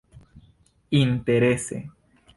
interese